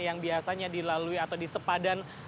yang biasanya dilalui atau di sepadan